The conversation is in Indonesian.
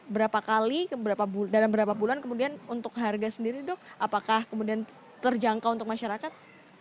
berapa kali dalam berapa bulan kemudian untuk harga sendiri dok apakah kemudian terjangkau untuk masyarakat